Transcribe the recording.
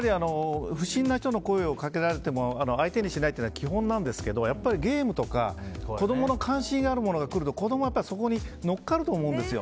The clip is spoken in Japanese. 不審な人に声をかけられても相手にしないというのは基本なんですけどゲームとか子供の関心あるものが来ると子供はそこに乗っかると思うんですよ。